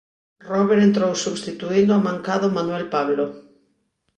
Róber entrou substituíndo ao mancado Manuel Pablo.